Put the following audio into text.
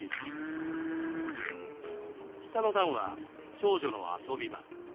下の段は長女の遊び場。